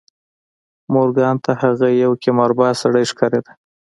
مورګان ته هغه یو قمارباز سړی ښکارېده